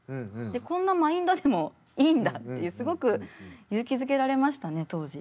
こんなマインドでもいいんだっていうすごく勇気づけられましたね当時。